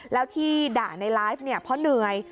แล้วที่ด่าในไลฟ์เนี่ยเพราะเหนื่อย